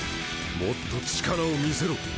もっと力を見せろ！